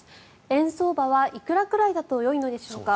円相場はいくらくらいだとよいのでしょうか。